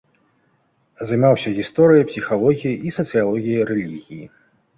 Займаўся гісторыяй, псіхалогіяй і сацыялогіяй рэлігіі.